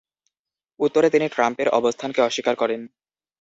উত্তরে তিনি ট্রাম্পের অবস্থানকে অস্বীকার করেন।